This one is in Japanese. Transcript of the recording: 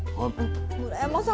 村山さん